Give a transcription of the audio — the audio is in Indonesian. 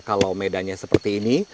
kalau medanya seperti ini